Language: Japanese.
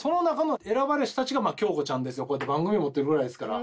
こうやって番組持ってるぐらいですから。